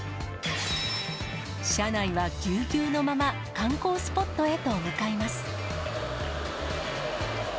車内はぎゅうぎゅうのまま、観光スポットへと向かいます。